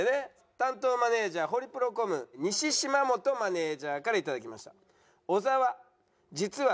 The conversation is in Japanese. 担当マネージャーホリプロコム西島本マネージャーから頂きました。